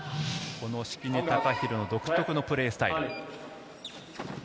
この敷根崇裕の独特のプレースタイル。